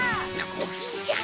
コキンちゃん